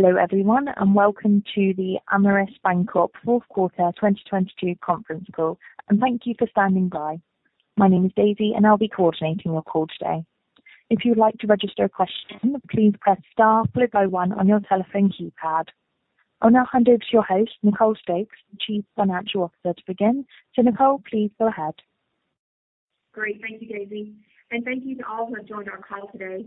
Hello, everyone, welcome to the Ameris Bancorp Fourth Quarter 2022 conference call. Thank you for standing by. My name is Daisy. I'll be coordinating your call today. If you'd like to register a question, please press star followed by one on your telephone keypad. I'll now hand over to your host, Nicole Stokes, the Chief Financial Officer, to begin. Nicole, please go ahead. Great. Thank you, Daisy. Thank you to all who have joined our call today.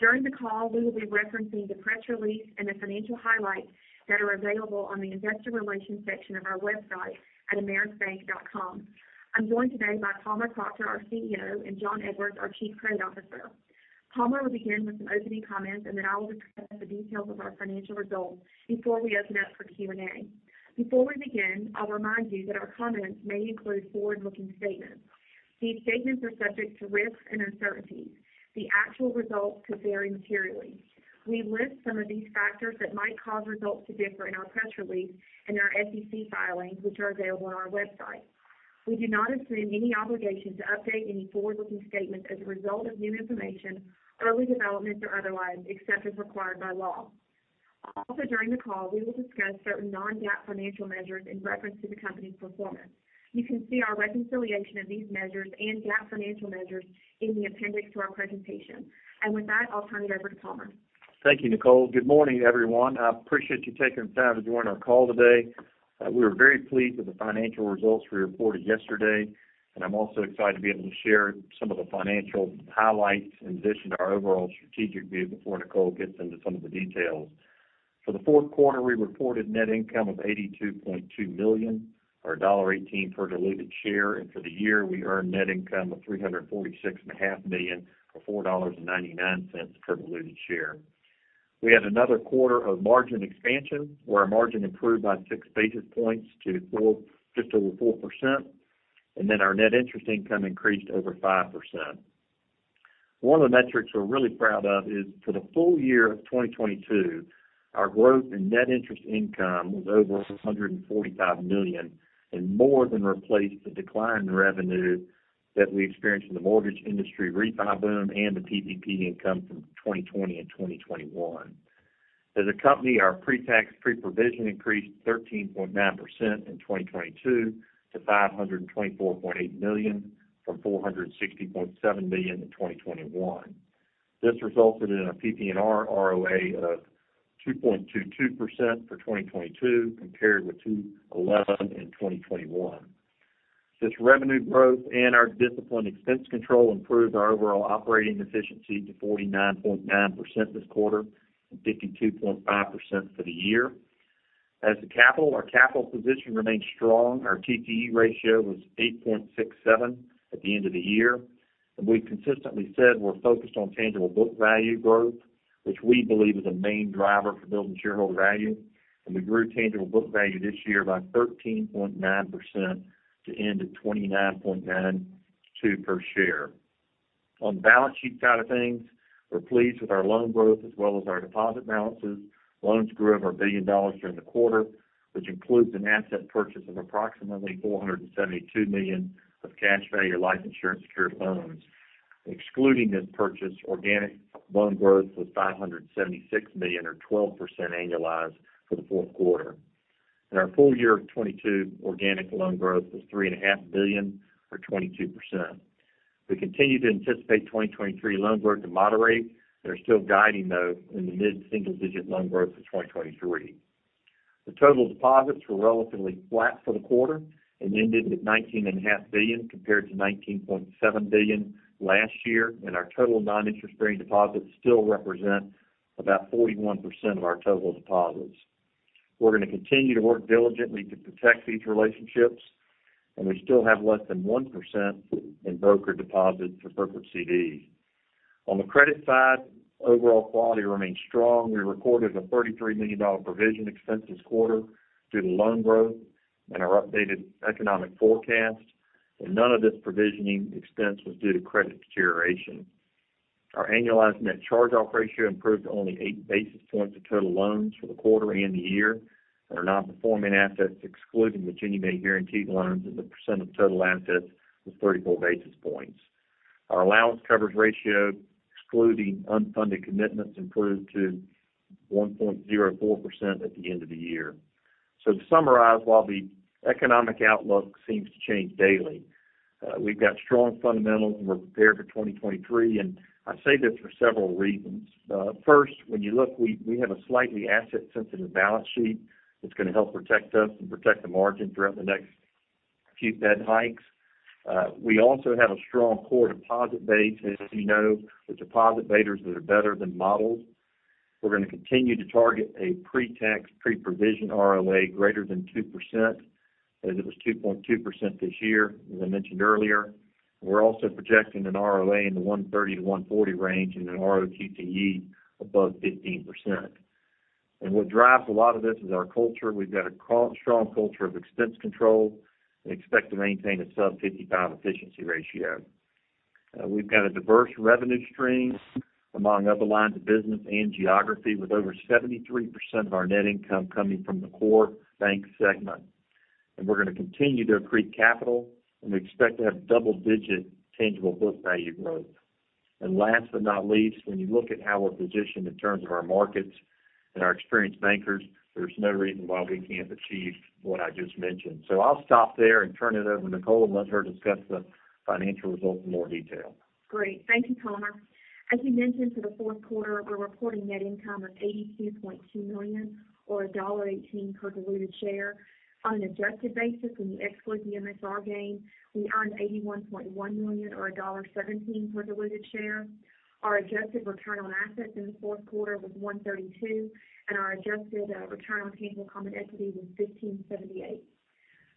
During the call, we will be referencing the press release and the financial highlights that are available on the investor relations section of our website at amerisbank.com. I'm joined today by Palmer Proctor, our CEO, and Jon Edwards, our Chief Credit Officer. Palmer will begin with some opening comments. I will discuss the details of our financial results before we open up for Q&A. Before we begin, I'll remind you that our comments may include forward-looking statements. These statements are subject to risks and uncertainties. The actual results could vary materially. We list some of these factors that might cause results to differ in our press release and our SEC filings, which are available on our website. We do not assume any obligation to update any forward-looking statements as a result of new information, early developments, or otherwise, except as required by law. During the call, we will discuss certain non-GAAP financial measures in reference to the company's performance. You can see our reconciliation of these measures and GAAP financial measures in the appendix to our presentation. With that, I'll turn it over to Palmer. Thank you, Nicole. Good morning, everyone. I appreciate you taking the time to join our call today. We were very pleased with the financial results we reported yesterday, and I'm also excited to be able to share some of the financial highlights in addition to our overall strategic view before Nicole gets into some of the details. For the fourth quarter, we reported net income of $82.2 million or $1.18 per diluted share. For the year, we earned net income of three hundred and forty-six and a half million, or $4.99 per diluted share. We had another quarter of margin expansion, where our margin improved by 6 basis points to just over 4%. Our net interest income increased over 5%. One of the metrics we're really proud of is for the full year of 2022, our growth in net interest income was over $145 million and more than replaced the decline in revenue that we experienced in the mortgage industry refi boom and the PPP income from 2020 and 2021. As a company, our pre-tax, pre-provision increased 13.9% in 2022 to $524.8 million, from $460.7 million in 2021. This resulted in a PPNR ROA of 2.22% for 2022 compared with 2.11% in 2021. This revenue growth and our disciplined expense control improved our overall operating efficiency to 49.9% this quarter and 52.5% for the year. As to capital, our capital position remains strong. Our TCE Ratio was 8.67 at the end of the year. We've consistently said we're focused on tangible book value growth, which we believe is a main driver for building shareholder value. We grew tangible book value this year by 13.9% to end at $29.92 per share. On balance sheet side of things, we're pleased with our loan growth as well as our deposit balances. Loans grew over $1 billion during the quarter, which includes an asset purchase of approximately $472 million of Cash Value Life Insurance secured loans. Excluding this purchase, organic loan growth was $576 million or 12% annualized for the fourth quarter. In our full year of 2022, organic loan growth was $3.5 billion or 22%. We continue to anticipate 2023 loan growth to moderate. They're still guiding, though, in the mid-single digit loan growth for 2023. The total deposits were relatively flat for the quarter and ended at nineteen and a half billion, compared to $19.7 billion last year, and our total non-interest-bearing deposits still represent about 41% of our total deposits. We're gonna continue to work diligently to protect these relationships, and we still have less than 1% in broker deposits or broker CDs. On the credit side, overall quality remains strong. We recorded a $33 million provision expense this quarter due to loan growth and our updated economic forecast, and none of this provisioning expense was due to credit deterioration. Our annualized net charge-off ratio improved to only 8 basis points of total loans for the quarter and the year. Our non-performing assets, excluding the Ginnie Mae guaranteed loans as a percent of total assets, was 34 basis points. Our allowance coverage ratio, excluding unfunded commitments, improved to 1.04% at the end of the year. To summarize, while the economic outlook seems to change daily, we've got strong fundamentals, and we're prepared for 2023, and I say this for several reasons. First, when you look, we have a slightly asset-sensitive balance sheet that's gonna help protect us and protect the margin throughout the next few Fed hikes. We also have a strong core deposit base. As you know, the deposit betas that are better than models. We're gonna continue to target a pre-tax, pre-provision ROA greater than 2%, as it was 2.2% this year, as I mentioned earlier. We're also projecting an ROA in the 130-140 range and an ROTCE above 15%. What drives a lot of this is our culture. We've got a strong culture of expense control and expect to maintain a sub 55 efficiency ratio. We've got a diverse revenue stream among other lines of business and geography, with over 73% of our net income coming from the core bank segment. We're gonna continue to accrete capital, and we expect to have double-digit tangible book value growth. Last but not least, when you look at how we're positioned in terms of our markets and our experienced bankers, there's no reason why we can't achieve what I just mentioned. I'll stop there and turn it over to Nicole and let her discuss the financial results in more detail. Great. Thank you, Palmer. As you mentioned, for the fourth quarter, we're reporting net income of $82.2 million or $1.18 per diluted share. On an adjusted basis, when you exclude the MSR gain, we earned $81.1 million or $1.17 per diluted share. Our adjusted return on assets in the fourth quarter was 1.32%, and our adjusted return on tangible common equity was 15.78%.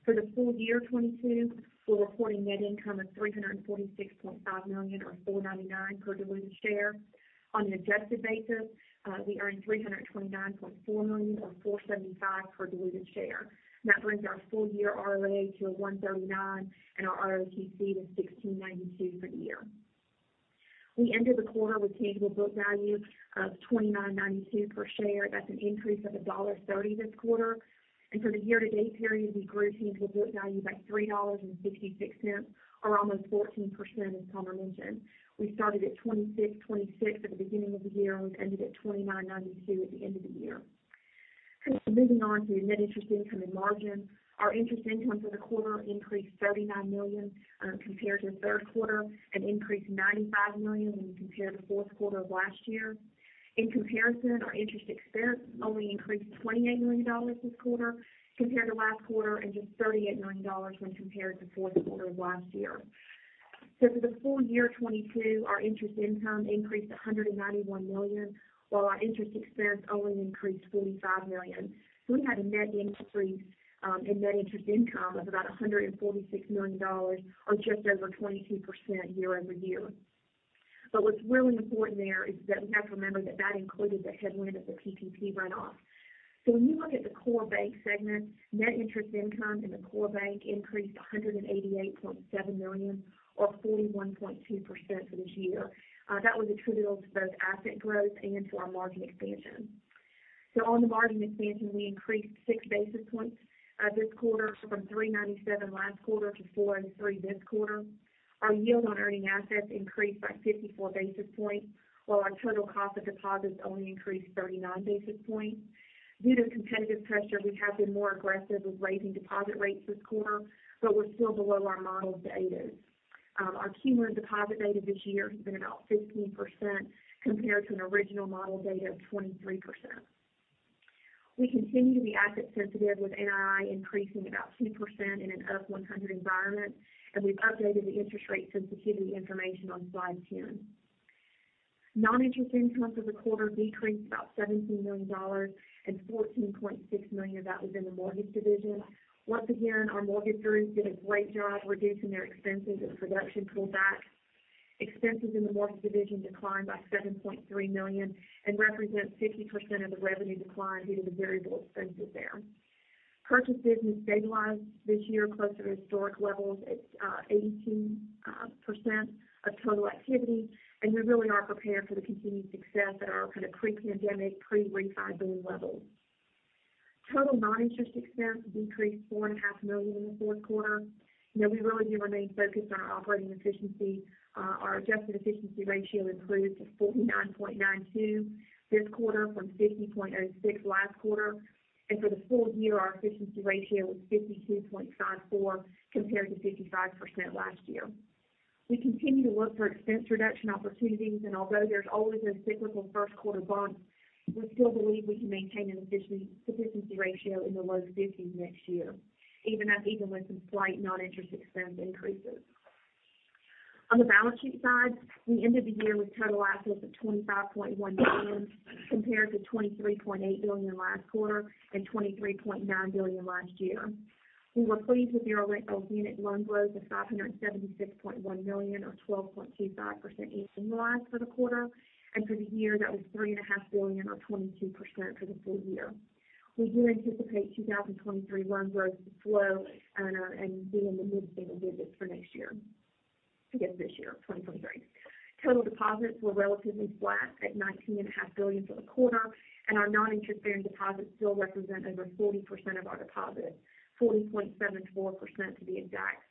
For the full year 2022, we're reporting net income of $346.5 million or $4.99 per diluted share. On an adjusted basis, we earned $329.4 million or $4.75 per diluted share. That brings our full year ROA to a 1.39% and our ROTCE to 16.92% for the year. We ended the quarter with tangible book value of $29.92 per share. That's an increase of $1.30 this quarter. For the year to date period, we grew tangible book value by $3.66 or almost 14%, as Palmer mentioned. We started at $26.26 at the beginning of the year, and we've ended at $29.92 at the end of the year. Moving on to net interest income and margin. Our interest income for the quarter increased $39 million compared to the third quarter and increased $95 million when you compare the fourth quarter of last year. In comparison, our interest expense only increased $28 million this quarter compared to last quarter and just $38 million when compared to fourth quarter of last year. For the full year 2022, our interest income increased $191 million, while our interest expense only increased $45 million. We had a net increase in net interest income of about $146 million or just over 22% year-over-year. What's really important there is that we have to remember that that included the headwind of the PPP runoff. When you look at the core bank segment, net interest income in the core bank increased $188.7 million or 41.2% for this year. That was attributable to both asset growth and to our margin expansion. On the margin expansion, we increased 6 basis points this quarter from 3.97 last quarter to 4.03 this quarter. Our yield on earning assets increased by 54 basis points, while our total cost of deposits only increased 39 basis points. Due to competitive pressure, we have been more aggressive with raising deposit rates this quarter, but we're still below our modeled betas. Our quarter deposit beta this year has been about 15% compared to an original model beta of 23%. We continue to be asset sensitive with NII increasing about 2% in an up 100 environment, and we've updated the interest rate sensitivity information on slide 10. Non-interest income for the quarter decreased about $17 million, and $14.6 million of that was in the mortgage division. Once again, our mortgage group did a great job reducing their expenses as production pulled back. Expenses in the mortgage division declined by $7.3 million and represent 50% of the revenue decline due to the variable expenses there. Purchases and stabilized this year close to historic levels at 18% of total activity. We really are prepared for the continued success at our kind of pre-pandemic, pre-refi borrowing levels. Total non-interest expense decreased four and a half million dollars in the fourth quarter. You know, we really do remain focused on our operating efficiency. Our adjusted efficiency ratio improved to 49.92 this quarter from 50.06 last quarter. For the full year, our efficiency ratio was 52.54 compared to 55% last year. We continue to look for expense reduction opportunities. Although there's always a cyclical first quarter bump, we still believe we can maintain an efficiency ratio in the low 50s next year, even with some slight non-interest expense increases. On the balance sheet side, we ended the year with total assets of $25.1 billion, compared to $23.8 billion last quarter and $23.9 billion last year. We were pleased with our retail unit loan growth of $576.1 million or 12.25% annualized for the quarter. For the year, that was $3.5 billion or 22% for the full year. We do anticipate 2023 loan growth to slow and be in the mid-single digits for next year, excuse me, this year, 2023. Total deposits were relatively flat at $19.5 billion for the quarter, and our non-interest bearing deposits still represent over 40% of our deposits, 40.74% to be exact.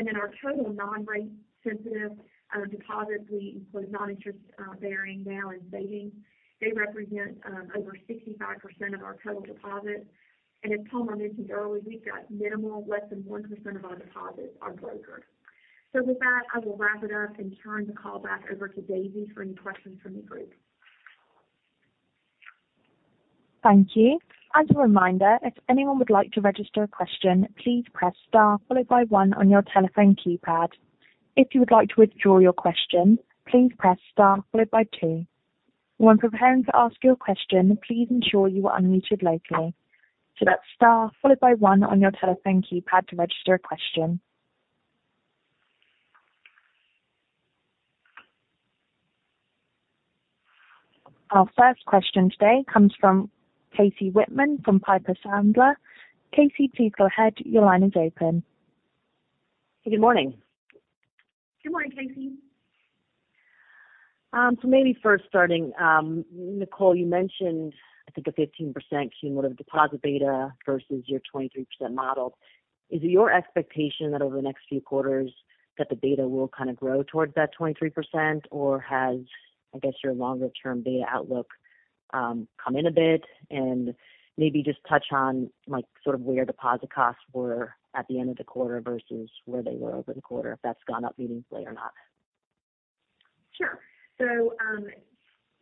Our total non-rate sensitive deposits, we include non-interest bearing now in savings. They represent over 65% of our total deposits. As Palmer mentioned earlier, we've got minimal, less than 1% of our deposits are brokered. With that, I will wrap it up and turn the call back over to Daisy for any questions from the group. Thank you. As a reminder, if anyone would like to register a question, please press star followed by one on your telephone keypad. If you would like to withdraw your question, please press star followed by two. When preparing to ask your question, please ensure you are unmuted locally. That's star followed by one on your telephone keypad to register a question. Our first question today comes from Casey Whitman from Piper Sandler. Casey, please go ahead. Your line is open. Good morning. Good morning, Casey. Maybe first starting, Nicole, you mentioned, I think a 15% cumulative deposit beta versus your 23% model. Is it your expectation that over the next few quarters that the beta will kind of grow towards that 23%? Or has, I guess, your longer-term beta outlook, come in a bit? Maybe just touch on like sort of where deposit costs were at the end of the quarter versus where they were over the quarter, if that's gone up meaningfully or not. Sure.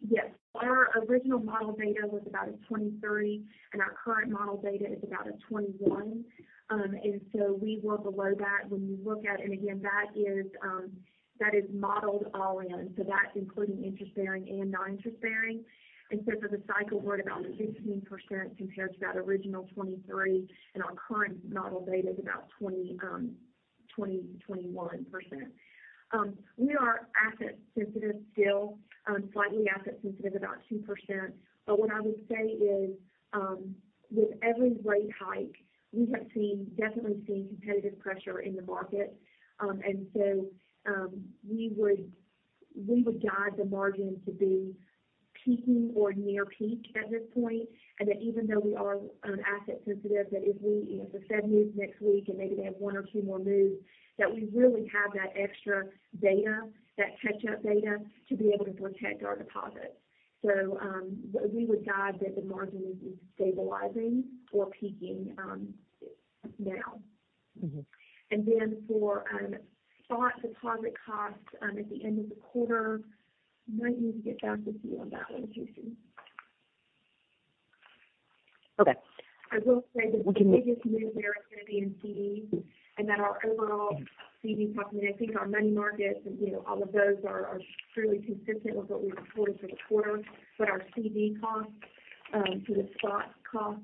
Yes. Our original model beta was about a 23, and our current model beta is about a 21. We were below that. Again, that is modeled all in. That's including interest bearing and non-interest bearing. For the cycle, we're at about 16% compared to that original 23. Our current model beta is about 21%. We are asset sensitive still, slightly asset sensitive, about 2%. With every rate hike, we have definitely seen competitive pressure in the market. We would guide the margin to be peaking or near peak at this point. That even though we are asset sensitive, that if we, if the Fed moves next week and maybe they have one or two more moves, that we really have that extra beta, that catch up beta to be able to protect our deposits. We would guide that the margin is stabilizing or peaking, now. Mm-hmm. For spot deposit costs, at the end of the quarter, I might need to get back with you on that one, Casey. Okay. I will say. We can- The biggest move there is going to be in CDs, and that our overall CD cost, and I think our money markets and, you know, all of those are truly consistent with what we've reported for the quarter. Our CD costs, so the spot costs.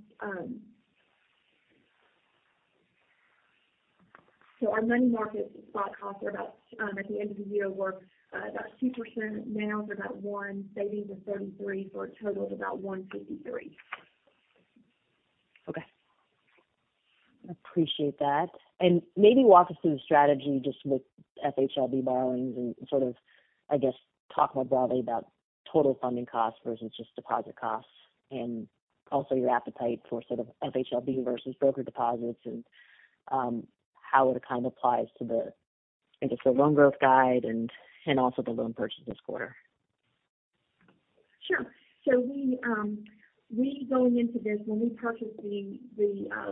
Our money market spot costs are about at the end of the year were about 2%. Now they're about 1%, savings is 33%, so our total is about 153%. Okay. Appreciate that. Maybe walk us through the strategy just with FHLB borrowings and sort of, I guess, talk more broadly about total funding costs versus just deposit costs. Also your appetite for sort of FHLB versus broker deposits and how it kind of applies to the, I guess, the loan growth guide and also the loan purchase this quarter. Sure. We going into this, when we purchased the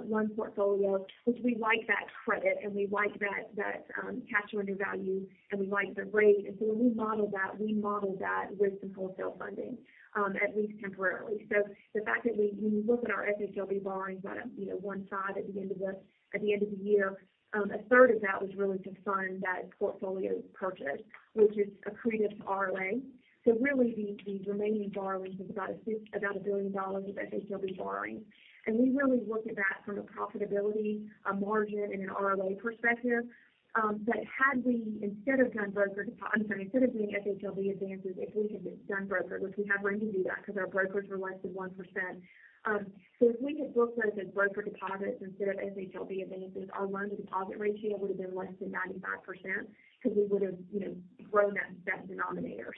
loan portfolio, which we like that credit and we like that cash surrender value and we like the rate. When we modeled that, we modeled that with some wholesale funding, at least temporarily. The fact that when you look at our FHLB borrowings on a, you know, 1 side at the end of the year, a third of that was really to fund that portfolio purchase, which is accretive to ROA. Really the remaining borrowings is about $1 billion of FHLB borrowings. We really look at that from a profitability, a margin, and an ROA perspective. Had we instead of doing FHLB advances, if we had done broker, which we have room to do that because our brokers were less than 1%. If we had booked those as broker deposits instead of FHLB advances, our loan to deposit ratio would have been less than 95% because we would have, you know, grown that denominator.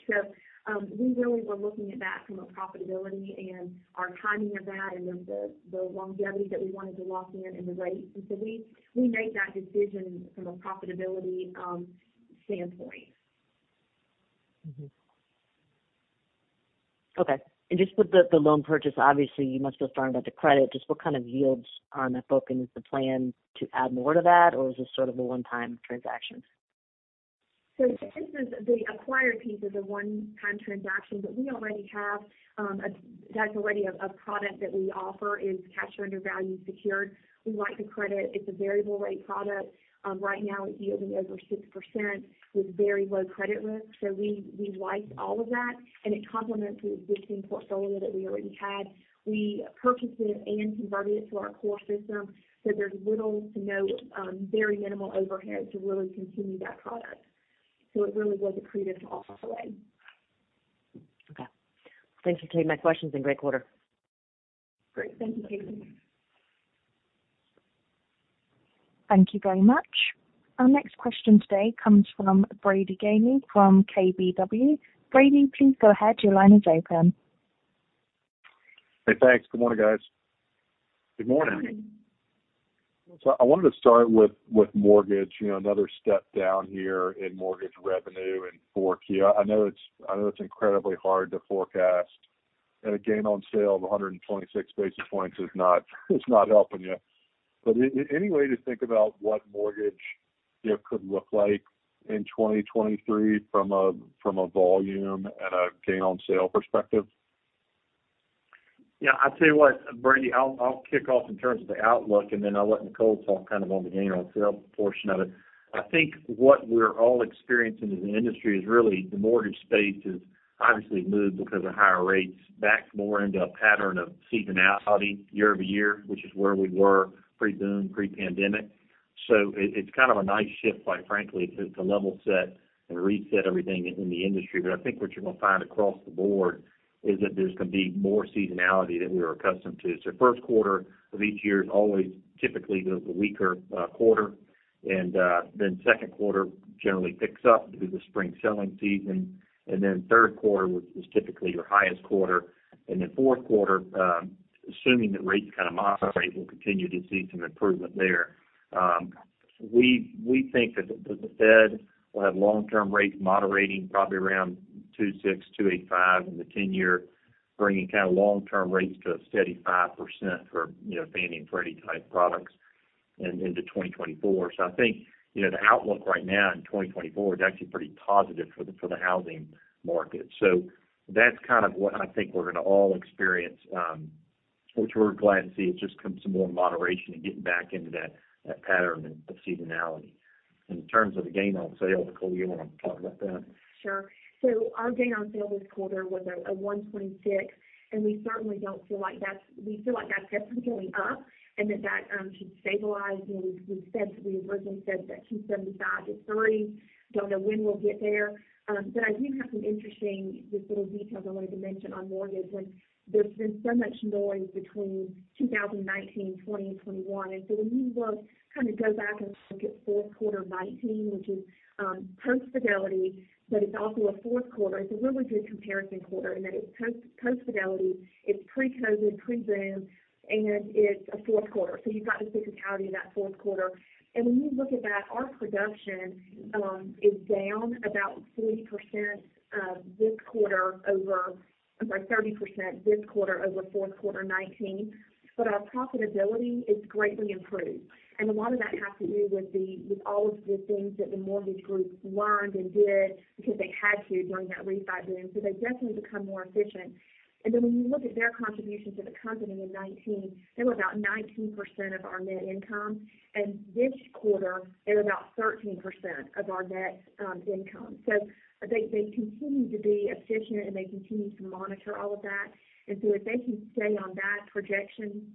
We really were looking at that from a profitability and our timing of that and the, the longevity that we wanted to lock in and the rates. We made that decision from a profitability standpoint. Mm-hmm. Okay. Just with the loan purchase, obviously you must feel strong about the credit. Just what kind of yields are on that book? Is the plan to add more to that or is this sort of a one-time transaction? This is the acquired piece is a one-time transaction, but we already have, that's already a product that we offer is cash surrender value secured. We like the credit. It's a variable rate product. Right now it's yielding over 6% with very low credit risk. We like all of that and it complements the existing portfolio that we already had. We purchased it and converted it to our core system. There's little to no, very minimal overhead to really continue that product. It really was accretive to ROA. Okay. Thank you, team. My questions in great quarter. Great. Thank you, Casey Thank you very much. Our next question today comes from Brady Gailey from KBW. Brady, please go ahead. Your line is open. Hey, thanks. Good morning, guys. Good morning. I wanted to start with mortgage, you know, another step down here in mortgage revenue and core fee. I know it's, I know it's incredibly hard to forecast at a gain on sale of 126 basis points is not helping you. Any way to think about what mortgage, you know, could look like in 2023 from a, from a volume and a gain on sale perspective? Yeah. I tell you what, Brady, I'll kick off in terms of the outlook, and then I'll let Nicole talk kind of on the gain on sale portion of it. I think what we're all experiencing as an industry is really the mortgage space has obviously moved because of higher rates back more into a pattern of seasonality year-over-year, which is where we were pre-boom, pre-pandemic. It's kind of a nice shift, quite frankly, to level set and reset everything in the industry. I think what you're going to find across the board is that there's going to be more seasonality than we were accustomed to. First quarter of each year is always typically the weaker quarter. Second quarter generally picks up due to spring selling season. Third quarter, which is typically your highest quarter, then fourth quarter, assuming that rates kind of moderate, we'll continue to see some improvement there. We think that the Fed will have long-term rates moderating probably around 2.6%-2.85% in the 10 year, bringing kind of long-term rates to a steady 5% for, you know, Fannie and Freddie-type products into 2024. I think, you know, the outlook right now in 2024 is actually pretty positive for the, for the housing market. That's kind of what I think we're gonna all experience, which we're glad to see. It's just come some more moderation and getting back into that pattern and the seasonality. In terms of the gain on sale, Nicole, you wanna talk about that? Sure. Our gain on sale this quarter was a 126, and we certainly don't feel like that's definitely up and that that should stabilize. You know, we originally said that 275-30. Don't know when we'll get there. But I do have some interesting just little details I wanted to mention on mortgage. Like, there's been so much noise between 2019, 2020, and 2021. When you kind of go back and look at fourth quarter 2019, which is post Fidelity, but it's also a fourth quarter. It's a really good comparison quarter in that it's post Fidelity, it's pre-COVID, pre-Zoom, and it's a fourth quarter, so you've got the seasonality in that fourth quarter. When you look at that, our production is down about 40% this quarter over I'm sorry, 30% this quarter over fourth quarter 2019. Our profitability is greatly improved. A lot of that has to do with all of the things that the mortgage group learned and did because they had to during that refi boom. They've definitely become more efficient. When you look at their contribution to the company in 2019, they were about 19% of our net income. This quarter, they're about 13% of our net income. They continue to be efficient, and they continue to monitor all of that. If they can stay on that projection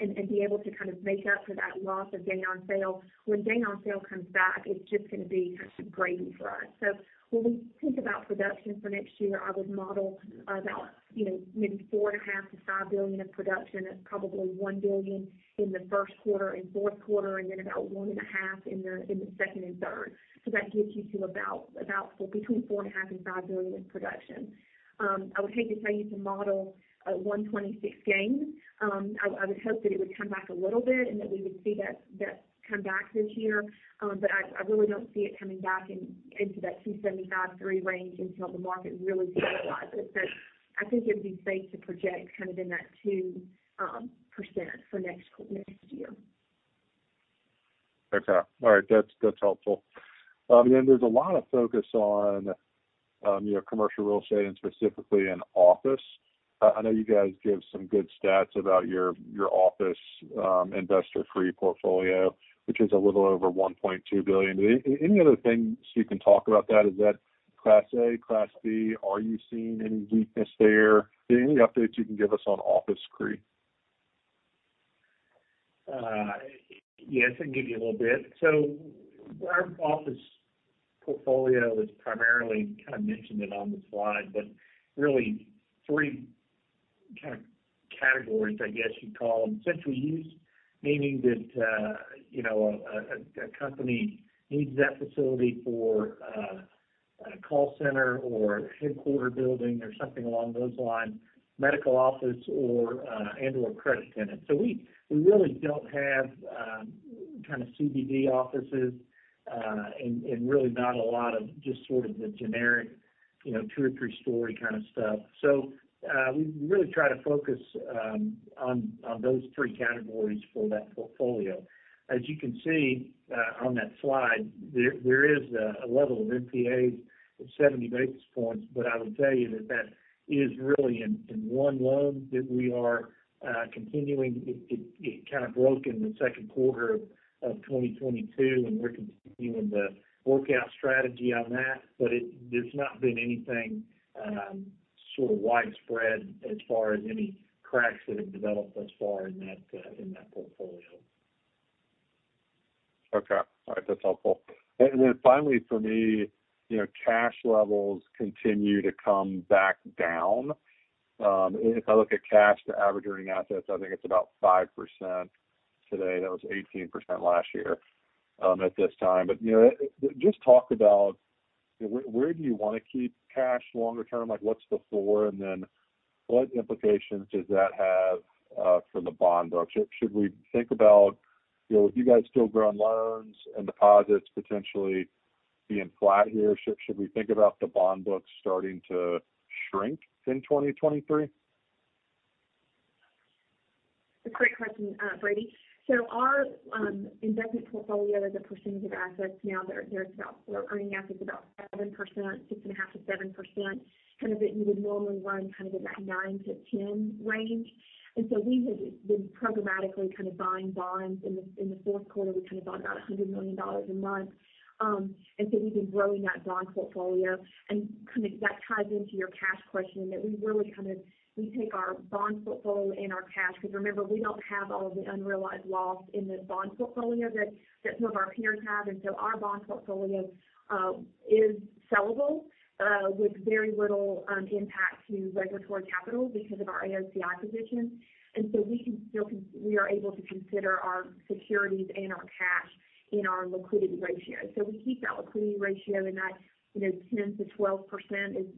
and be able to kind of make up for that loss of gain on sale, when gain on sale comes back, it's just gonna be kind of some gravy for us. When we think about production for next year, I would model about, you know, maybe $4.5 billion-$5 billion of production at probably $1 billion in the first quarter and fourth quarter, and then about $1.5 billion in the second and third. That gets you to about between $4.5 billion and $5 billion in production. I would hate to tell you to model a $1.26 gain. I would hope that it would come back a little bit and that we would see that come back this year. I really don't see it coming back in, into that 2.75-3% range until the market really stabilizes. I think it would be safe to project kind of in that 2% for next year. Okay. All right. That's helpful. There's a lot of focus on, you know, commercial real estate and specifically in office. I know you guys give some good stats about your office, investor-free portfolio, which is a little over $1.2 billion. Any other things you can talk about that? Is that Class A, Class B? Are you seeing any weakness there? Any updates you can give us on office CRE? Yes, I can give you a little bit. Our office portfolio is primarily kind of mentioned it on the slide, but really three kind of categories, I guess you'd call them. Central use, meaning that, you know, a company needs that facility for a call center or headquarter building or something along those lines, medical office or and/or credit tenant. We really don't have kind of CBD offices, and really not a lot of just sort of the generic, you know, 2 or 3 story kind of stuff. We really try to focus on those 3 categories for that portfolio. As you can see, on that slide, there is a level of NPAs of 70 basis points, but I will tell you that that is really in one loan that we are continuing. It kind of broke in the second quarter of 2022, and we're continuing the workout strategy on that. There's not been anything sort of widespread as far as any cracks that have developed thus far in that portfolio. Okay. All right. That's helpful. Finally for me, you know, cash levels continue to come back down. If I look at cash to average earning assets, I think it's about 5% today. That was 18% last year at this time. You know, just talk about where do you wanna keep cash longer term? Like, what's the floor? What implications does that have for the bond book? Should we think about, you know, with you guys still growing loans and deposits potentially being flat here, should we think about the bond book starting to shrink in 2023? It's a great question, Brady. Our investment portfolio as a percentage of assets now we're earning assets about 7%, 6.5%-7%. That you would normally run in that 9%-10% range. We have been programmatically buying bonds. In the fourth quarter, we bought about $100 million a month. We've been growing that bond portfolio. That ties into your cash question, that we really take our bond portfolio and our cash, because remember, we don't have all of the unrealized loss in the bond portfolio that some of our peers have. Our bond portfolio is sellable with very little impact to regulatory capital because of our AOCI position. We can still we are able to consider our securities and our cash in our liquidity ratio. We keep that liquidity ratio in that, you know, 10%-12%.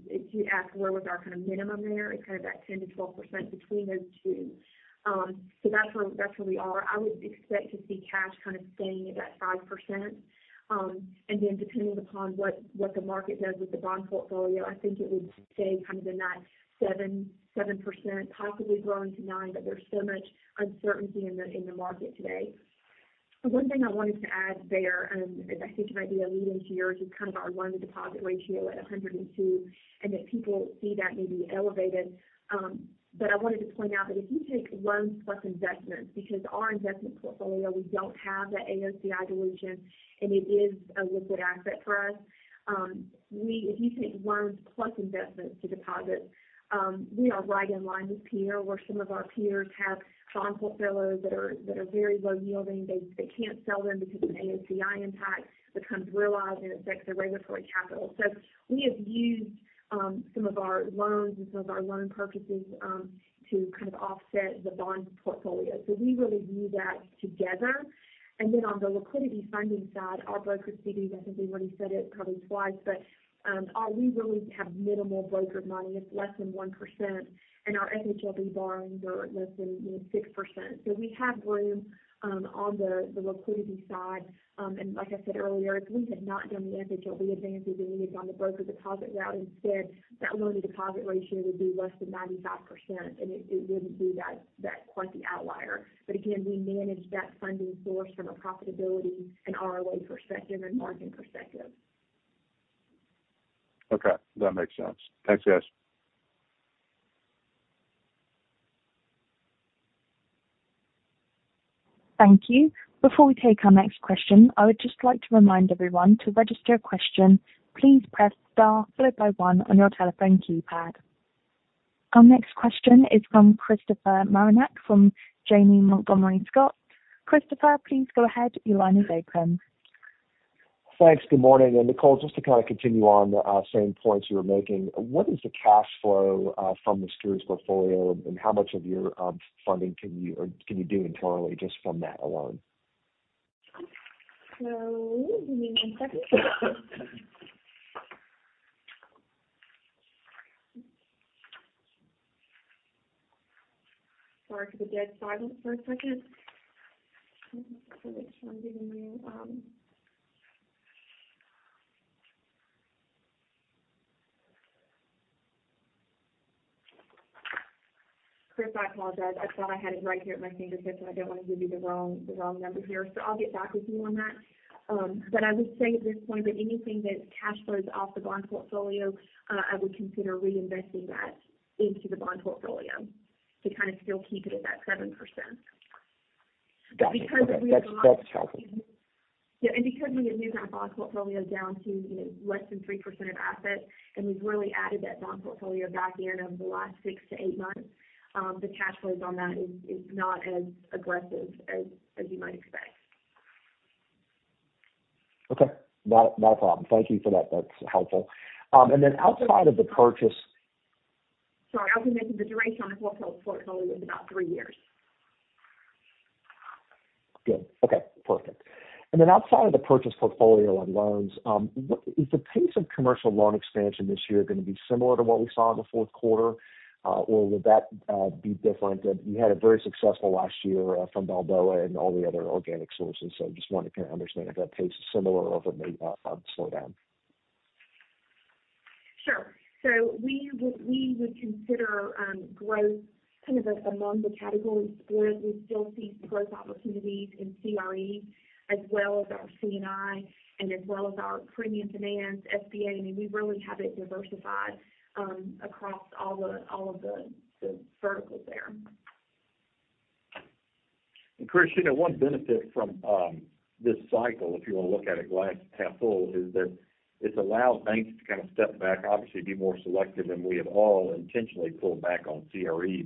If you ask where was our kind of minimum there, it's kind of that 10%-12% between those two. That's where, that's where we are. I would expect to see cash kind of staying at that 5%. Depending upon what the market does with the bond portfolio, I think it would stay kind of in that 7%, possibly growing to nine, but there's so much uncertainty in the market today. The one thing I wanted to add there, and I think it might be a lead into yours, is kind of our loan deposit ratio at 102, and that people see that maybe elevated. I wanted to point out that if you take loans plus investments, because our investment portfolio, we don't have that AOCI dilution, and it is a liquid asset for us. If you take loans plus investments to deposits, we are right in line with peer, where some of our peers have bond portfolios that are very low yielding. They can't sell them because of AOCI impact that comes realized, and it affects their regulatory capital. We have used some of our loans and some of our loan purchases to kind of offset the bond portfolio. We really view that together. On the liquidity funding side, our broker CD, I think we've already said it probably twice, but we really have minimal broker money. It's less than 1%, and our FHLB borrowings are less than 6%. We have room on the liquidity side. Like I said earlier, if we had not done the FHLB advances and we had gone the broker deposit route instead, that loan deposit ratio would be less than 95%, and it wouldn't be that quite the outlier. Again, we manage that funding source from a profitability and ROA perspective and margin perspective. Okay, that makes sense. Thanks, guys. Thank you. Before we take our next question, I would just like to remind everyone to register a question, please press star followed by one on your telephone keypad. Our next question is from Christopher Marinac, from Janney Montgomery Scott. Christopher, please go ahead. Your line is open. Thanks. Good morning. Nicole, just to kind of continue on the same points you were making, what is the cash flow from the escrows portfolio? How much of your funding can you do internally just from that alone? Give me one second. Sorry for the dead silence for a second. Let me make sure I'm giving you, Chris, I apologize. I thought I had it right here at my fingertips. I don't want to give you the wrong number here, so I'll get back with you on that. I would say at this point that anything that cash flows off the bond portfolio, I would consider reinvesting that into the bond portfolio to kind of still keep it at that 7%. Got it. Okay. Because we have. That's helpful. Yeah. Because we have moved our bond portfolio down to, you know, less than 3% of assets, and we've really added that bond portfolio back in over the last six to eight months, the cash flows on that is not as aggressive as you might expect. Okay. Not a problem. Thank you for that. That's helpful. outside of the purchase. Sorry, I'll be making the duration on the portfolio is about three years. Good. Okay, perfect. Then outside of the purchase portfolio on loans, is the pace of commercial loan expansion this year gonna be similar to what we saw in the fourth quarter? Or will that be different? You had a very successful last year from Balboa and all the other organic sources. I just wanted to understand if that pace is similar or if it may slow down. Sure. we would consider, growth kind of among the categories, whereas we still see growth opportunities in CRE as well as our C&I and as well as our Premium Finance, SBA. I mean, we really have it diversified, across all the, all of the verticals there. Chris, you know, one benefit from this cycle, if you want to look at a glass half full, is that it's allowed banks to kind of step back, obviously be more selective, and we have all intentionally pulled back on CRE.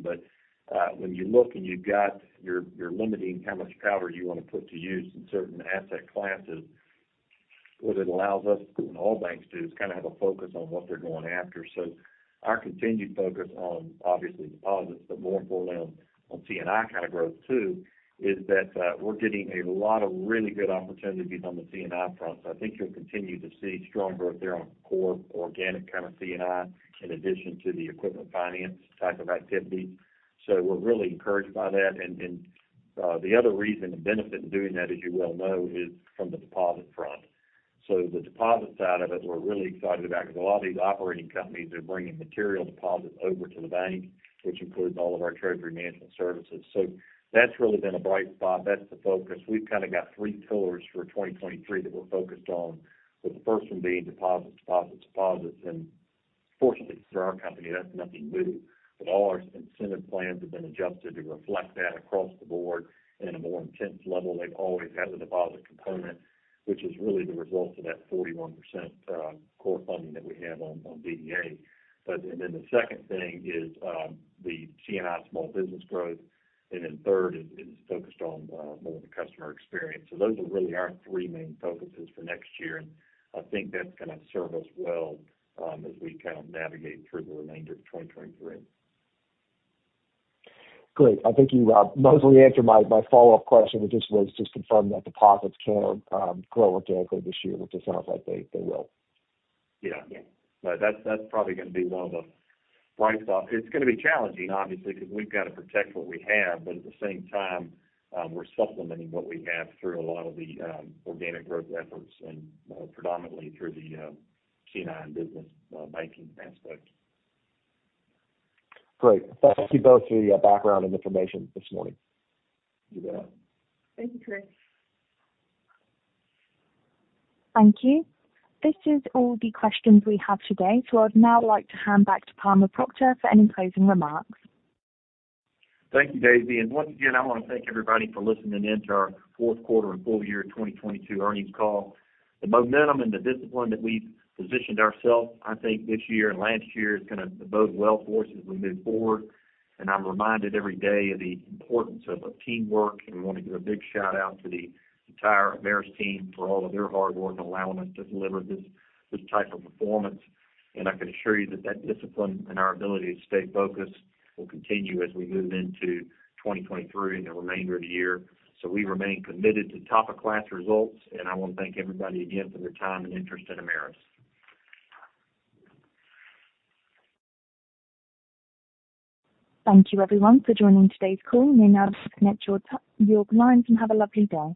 When you look and you've got, you're limiting how much powder you want to put to use in certain asset classes, what it allows us and all banks to do is kind of have a focus on what they're going after. Our continued focus on obviously deposits, but more importantly on C&I kind of growth too, is that we're getting a lot of really good opportunities on the C&I front. I think you'll continue to see strong growth there on core organic kind of C&I in addition to the Equipment Finance type of activity. We're really encouraged by that. The other reason, the benefit in doing that, as you well know, is from the deposit front. The deposits side of it, we're really excited about because a lot of these operating companies are bringing material deposits over to the bank, which includes all of our Treasury Management services. That's really been a bright spot. That's the focus. We've kind of got three pillars for 2023 that we're focused on, with the first one being deposits, deposits. Fortunately for our company, that's nothing new. All our incentive plans have been adjusted to reflect that across the board in a more intense level. They've always had the deposit component, which is really the result of that 41% core funding that we have on DDA. The second thing is the C&I small business growth. Third is focused on more of the customer experience. Those are really our 3 main focuses for next year, and I think that's gonna serve us well as we kind of navigate through the remainder of 2023. Great. I think you mostly answered my follow-up question, which just was to confirm that deposits can grow organically this year, which it sounds like they will. Yeah. Yeah. That's probably gonna be one of the bright spots. It's gonna be challenging, obviously, because we've got to protect what we have, but at the same time, we're supplementing what we have through a lot of the organic growth efforts and predominantly through the C&I and business banking aspect. Great. Thank you both for your background and information this morning. You bet. Thank you, Chris. Thank you. This is all the questions we have today. I'd now like to hand back to Palmer Proctor for any closing remarks. Thank you, Daisy. Once again, I want to thank everybody for listening in to our fourth quarter and full year 2022 earnings call. The momentum and the discipline that we've positioned ourselves, I think this year and last year is gonna bode well for us as we move forward. I'm reminded every day of the importance of a teamwork. We want to give a big shout out to the entire Ameris team for all of their hard work in allowing us to deliver this type of performance. I can assure you that that discipline and our ability to stay focused will continue as we move into 2023 and the remainder of the year. We remain committed to top of class results. I want to thank everybody again for their time and interest in Ameris. Thank you everyone for joining today's call. You may now disconnect your lines and have a lovely day.